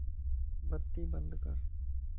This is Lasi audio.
بتي بند ڪر